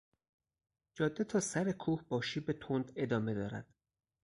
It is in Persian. جاده تا سر کوه با شیب تند ادامه دارد.